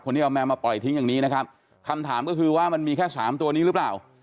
ที่เอาแมวมาปล่อยทิ้งอย่างนี้นะครับคำถามก็คือว่ามันมีแค่สามตัวนี้หรือเปล่า